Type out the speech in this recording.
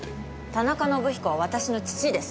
田中伸彦は私の父です。